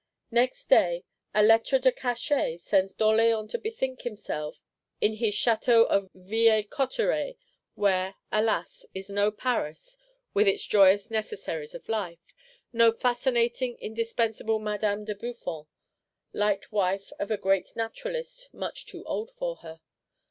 Next day, a Lettre de Cachet sends D'Orléans to bethink himself in his Château of Villers Cotterets, where, alas, is no Paris with its joyous necessaries of life; no fascinating indispensable Madame de Buffon,—light wife of a great Naturalist much too old for her.